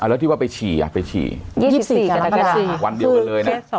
แล้วที่ว่าไปฉี่อ่ะไปฉี่๒๔กรกฎาวันเดียวกันเลยนะ